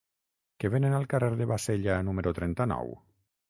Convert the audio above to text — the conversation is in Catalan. Què venen al carrer de Bassella número trenta-nou?